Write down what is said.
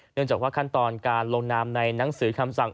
เนื่องจากว่าขั้นตอนการลงนามในหนังสือคำสั่ง